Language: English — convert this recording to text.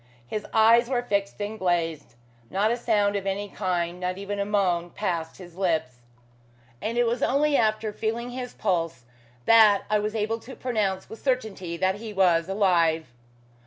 His eyes were fixed and glazed. Not a sound of any kind, not even a moan, passed his lips; and it was only after feeling his pulse that I was able to pronounce with certainty that he was alive.